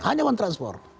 hanya uang transport